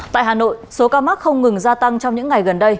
tại hà nội số ca mắc không ngừng gia tăng trong những ngày gần đây